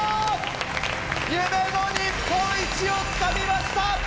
夢の日本一をつかみました！